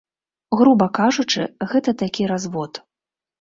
Груба кажучы, гэта такі развод.